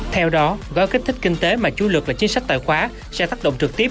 theo đó gói kích thích kinh tế mà chú lực là chính sách tài khoá sẽ tác động trực tiếp